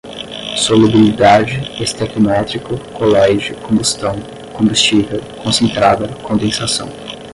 solubilidade, estequiométrico, coloide, combustão, combustível, concentrada, condensação